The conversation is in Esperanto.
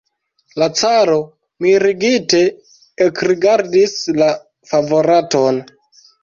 La caro mirigite ekrigardis la favoraton.